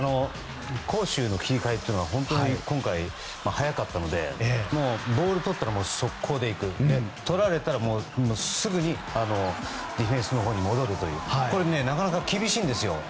攻守の切り替えというのは今回速かったのでボールをとったら速攻で行く。とられたらすぐにディフェンスに戻るというなかなか厳しいんですよ。